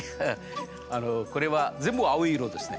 これは全部青色ですね。